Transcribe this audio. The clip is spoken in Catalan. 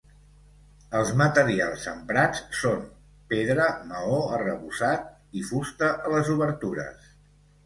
Els materials emprats són: pedra, maó, arrebossat i fusta a les obertures.